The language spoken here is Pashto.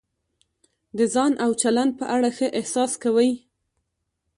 د ځان او چلند په اړه ښه احساس کوئ.